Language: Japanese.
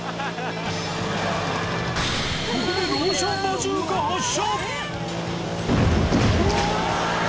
ここでローションバズーカ発射！